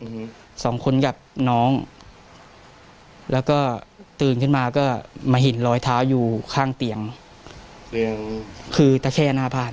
อืมสองคนกับน้องแล้วก็ตื่นขึ้นมาก็มาเห็นรอยเท้าอยู่ข้างเตียงเตียงคือตะแค่หน้าบ้าน